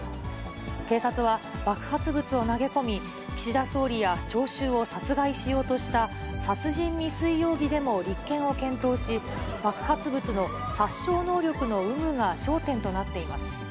警察は爆発物を投げ込み、岸田総理や聴衆を殺害しようとした殺人未遂容疑でも立件を検討し、爆発物の殺傷能力の有無が焦点となっています。